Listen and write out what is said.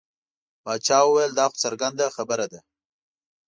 باچا وویل دا خو څرګنده خبره ده.